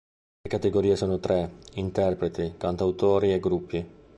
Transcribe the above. Le categorie sono tre: Interpreti, Cantautori e Gruppi.